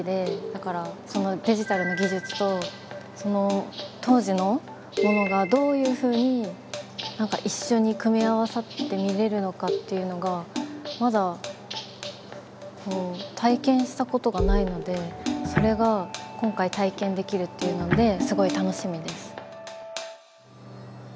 だからデジタルの技術とその当時のものがどういうふうに一緒に組み合わさって見れるのかっていうのがまだ体験したことがないのでそれが今回体験できるっていうのですごい楽しみです。